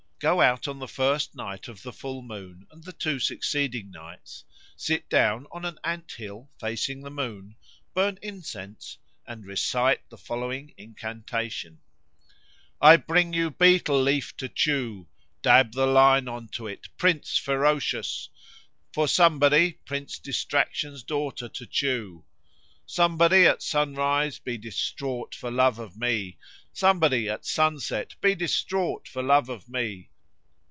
Go out on the night of the full moon and the two succeeding nights; sit down on an ant hill facing the moon, burn incense, and recite the following incantation: "I bring you a betel leaf to chew, Dab the lime on to it, Prince Ferocious, For Somebody, Prince Distraction's daughter, to chew. Somebody at sunrise be distraught for love of me Somebody at sunset be distraught for love of me.